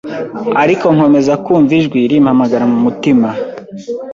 ariko nkomeza kumva ijwi rimpamagara mu mutima